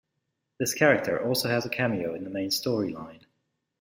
This character also has a cameo in the main storyline.